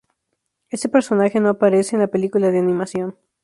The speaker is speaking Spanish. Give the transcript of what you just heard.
Este personaje no aparece en la película de animación.